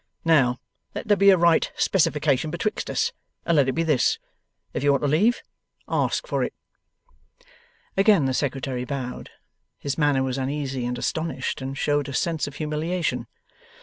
Now, let there be a right specification betwixt us, and let it be this. If you want leave, ask for it.' Again the Secretary bowed. His manner was uneasy and astonished, and showed a sense of humiliation.